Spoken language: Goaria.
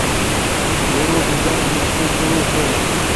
گورو بيگير مڪتي ڪونيٚ ڇي۔